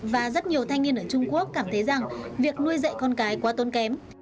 và rất nhiều thanh niên ở trung quốc cảm thấy rằng việc nuôi dạy con cái quá tôn kém